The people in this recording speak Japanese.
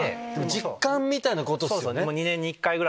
実感みたいなことっすよね。